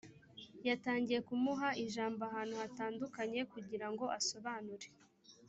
yatangiye kumuha ijambo ahantu hatandukanye kugira ngo asobanure